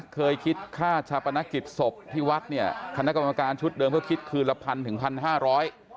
เคยคิดค่าชาปนกิจศพที่วัดเนี่ยคณะกรรมการชุดเดิมก็คิดคืนละพันถึงพันห้าร้อย